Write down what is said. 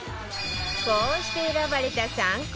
こうして選ばれた３候補